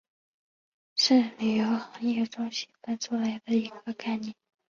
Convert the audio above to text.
是旅游行业中细分出来的一个概念。